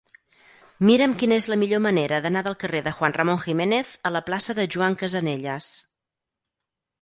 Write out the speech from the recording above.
Mira'm quina és la millor manera d'anar del carrer de Juan Ramón Jiménez a la plaça de Joan Casanelles.